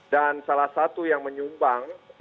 dan salah satu yang menyumbang